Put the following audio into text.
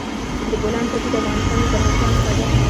د بولان پټي د افغانستان د زرغونتیا نښه ده.